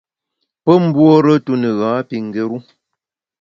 Pe mbuore tu ne gha pi ngéru.